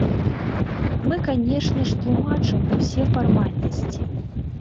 Мы, канешне ж, тлумачым усе фармальнасці.